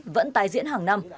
vẫn tái diễn hàng năm